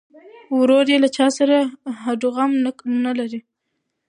ورور یې له چا سره هډوغم نه لري.